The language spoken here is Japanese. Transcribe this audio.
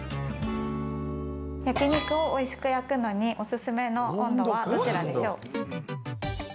焼き肉をおいしく焼くのにおすすめの温度はどちらでしょう？